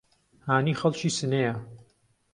هانی خەڵکی سنەیە